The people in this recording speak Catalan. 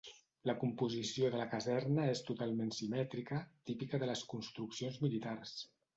La composició de la caserna és totalment simètrica, típica de les construccions militars.